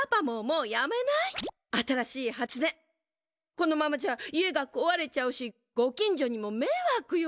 このままじゃ家がこわれちゃうしご近所にもめいわくよ。